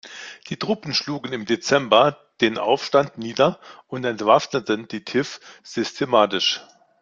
Die Truppen schlugen im Dezember den Aufstand nieder und entwaffneten die Tiv systematisch.